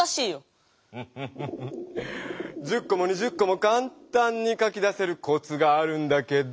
フフフフ１０こも２０こもかんたんに書き出せるコツがあるんだけど。